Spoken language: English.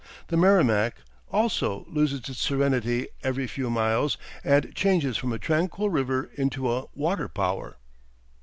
The Merrimac, also, loses its serenity every few miles, and changes from a tranquil river into a water power.